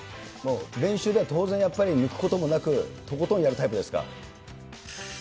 練習では当然やっぱり抜くこともなく、とことんやるタイプですか？